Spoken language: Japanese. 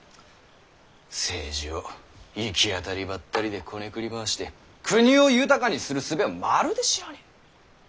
政治を行き当たりばったりでこねくり回して国を豊かにするすべをまるで知らねぇ。